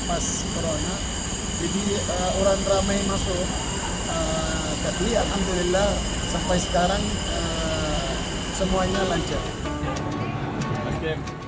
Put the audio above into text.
jadi orang ramai masuk jadi alhamdulillah sampai sekarang semuanya lancar